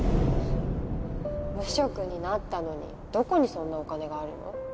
無職になったのにどこにそんなお金があるの？